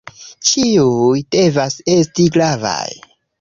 Ĉiuj devas esti gravaj.